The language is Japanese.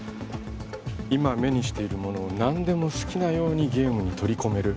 今目にしているものを何でも好きなようにゲームに取り込める